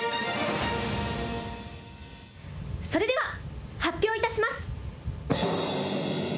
それでは発表いたします。